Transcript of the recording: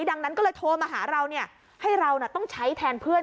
ดังนั้นก็เลยโทรมาหาเราให้เราต้องใช้แทนเพื่อน